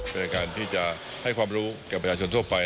ในการที่จะให้ความรู้แก่ประชาชนทั่วไป